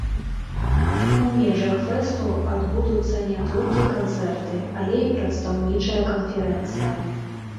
У межах фэсту адбудуцца не толькі канцэрты, але і прадстаўнічая канферэнцыя.